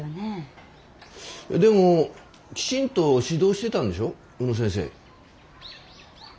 でもきちんと指導してたんでしょ宇野先生。